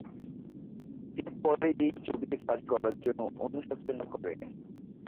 তিনি পরে এই ছবিতে কাজ করার জন্য অনুশোচনা করেন।